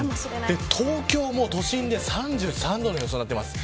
東京も都心で３３度の予想となっています。